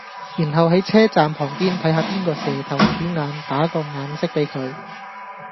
然後係車站旁邊睇下邊個蛇頭鼠眼，打個眼色比佢